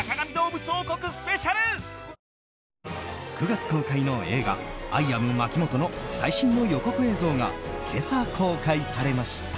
９月公開の映画「アイ・アムまきもと」の最新の予告映像が今朝、公開されました。